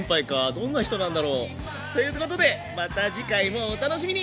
どんな人なんだろう。ということでまた次回もお楽しみに！